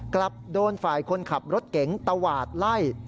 กลับโดนฝ่ายคนขับรถเก๋งตวาดไล่